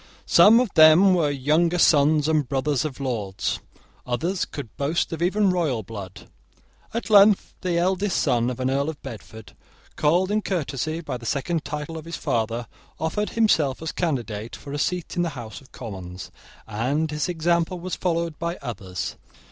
Some of them were younger sons and brothers of lords. Others could boast of even royal blood. At length the eldest son of an Earl of Bedford, called in courtesy by the second title of his father, offered himself as candidate for a seat in the House of Commons, and his example was followed by others.